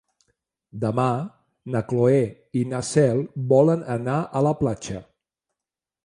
Demà na Cloè i na Cel volen anar a la platja.